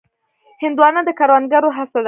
هندوانه د کروندګرو هڅه ده.